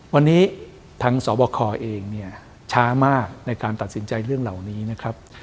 วันนี้ทางสบคเองเนี่ยช้ามากในการตัดสินใจเรื่องเหล่านี้นะครับ